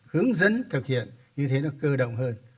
hướng dẫn thực hiện như thế nó cơ động hơn